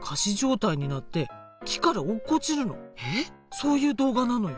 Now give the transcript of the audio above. そういう動画なのよ。